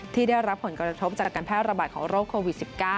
ที่ได้รับผลกระทบจากการแพร่ระบาดของโรคโควิด๑๙